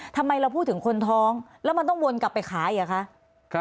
ทำไมเราพูดถึงคนท้องแล้วมันต้องวนกลับไปขายเหรอคะ